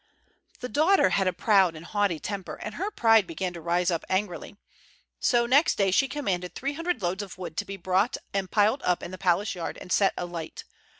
The daughter had a proud and haughty temper, and her pride began to rise up angrily. So next day she commanded three hundred loads of wood to be brought and piled up in the palace yard and set alight.